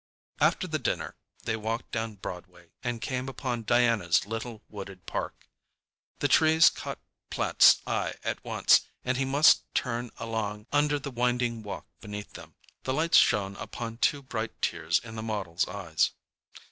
After the dinner they walked down Broadway and came upon Diana's little wooded park. The trees caught Platt's eye at once, and he must turn along under the winding walk beneath them. The lights shone upon two bright tears in the model's eyes.